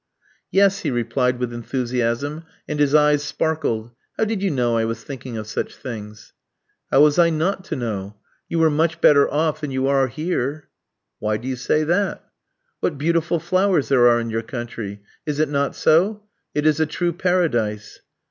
"Yes," he replied with enthusiasm, and his eyes sparkled. "How did you know I was thinking of such things?" "How was I not to know? You were much better off than you are here." "Why do you say that?" "What beautiful flowers there are in your country! Is it not so? It is a true paradise."